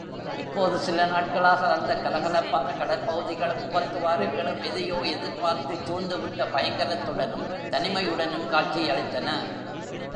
இப்போது சில நாட்களாக அந்தக் கலகலப்பான கடற்பகுதிகளும் முகத்துவாரங்களும் எதையோ எதிர்ப்பார்த்துச் சூழ்ந்துவிட்ட பயங்கரத்துடனும், தனிமையுடனும் காட்சியளித்தன.